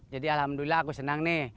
jadi alhamdulillah aku senang nih